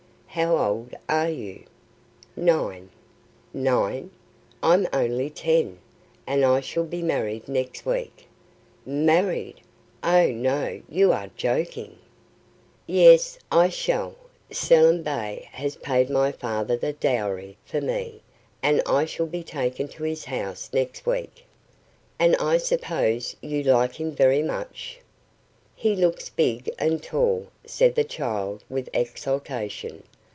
"How old are you?" "Nine." "Nine! I'm only ten, and I shall be married next week " "Married! Oh, no, you are joking." "Yes, I shall. Selim Bey has paid my father the dowry for me, and I shall be taken to his house next week." "And I suppose you like him very much." "He looks big and tall," said the child with exultation.